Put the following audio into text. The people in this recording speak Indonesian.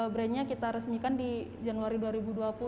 brandnya kita resmikan di januari dua ribu dua puluh